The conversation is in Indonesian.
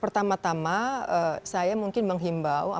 pertama tama saya mungkin menghimbau